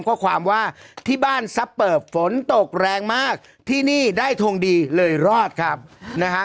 ข้อความว่าที่บ้านซับเปิบฝนตกแรงมากที่นี่ได้ทงดีเลยรอดครับนะฮะ